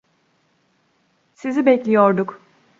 Sizi bekliyorduk.